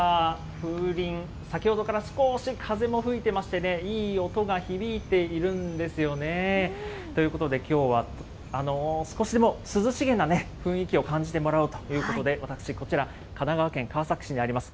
風鈴、先ほどから少し風も吹いていましてね、いい音が響いているんですよね。ということで、きょうは少しでも涼しげなね、雰囲気を感じてもらおうということで、私、こちら、神奈川県川崎市にあります